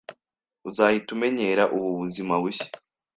Uzahita umenyera ubu buzima bushya